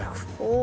お。